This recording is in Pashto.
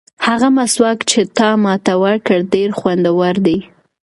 هغه مسواک چې تا ماته راکړ ډېر خوندور دی.